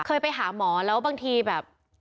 เคยไปหาหมอแล้วบางทีแบบ